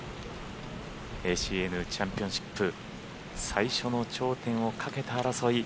ＡＣＮチャンピオンシップ最初の頂点をかけた争い